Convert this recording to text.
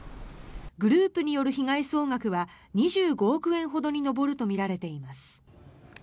グループによる被害総額は２５億円ほどに上るとみられています。